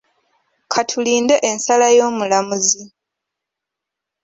Ka tulinde ensala y'omulamuzi.